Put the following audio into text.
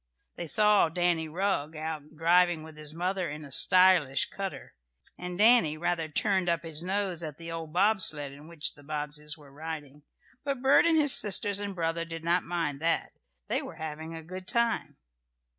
They saw Danny Rugg out driving with his mother in a stylish cutter, and Danny rather "turned up his nose" at the old bob sled in which the Bobbseys were riding. But Bert and his sisters and brother did not mind that. They were having a good time.